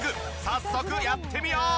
早速やってみよう！